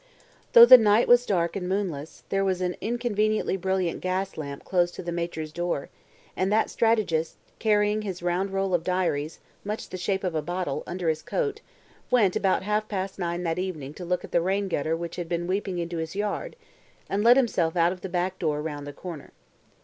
Though the night was dark and moonless, there was an inconveniently brilliant gas lamp close to the Major's door, and that strategist, carrying his round roll of diaries, much the shape of a bottle, under his coat, went about half past nine that evening to look at the rain gutter which had been weeping into his yard, and let himself out of the back door round the corner.